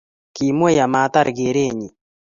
Kimwei ama tar keret nyi.